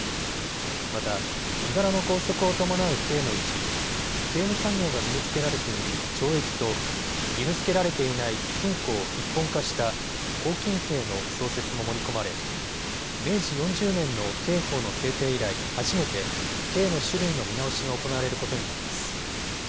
また、身柄の拘束を伴う刑のうち刑務作業が義務づけられている懲役と義務づけられていない禁錮を一本化した拘禁刑の創設も盛り込まれ明治４０年の刑法の制定以来、初めて刑の種類の見直しが行われることになります。